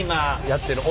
やってる。